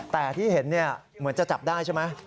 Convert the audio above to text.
แต่ที่เห็นเหมือนจะจับได้ใช่ไหม